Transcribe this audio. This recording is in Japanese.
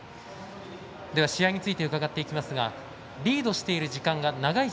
では試合について伺っていきますがリードしている時間が長い